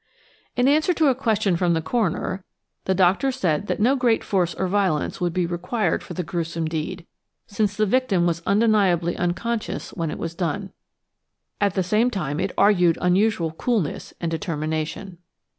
In answer to a question from the coroner, the doctor said that no great force or violence would be required for the gruesome deed, since the victim was undeniably unconscious when it was done. At the same time it argued unusual coolness and determination.